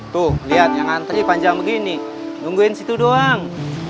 tuh lihat yang antri panjang begini nungguin situ doang